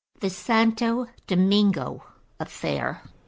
=The Santo Domingo Affair.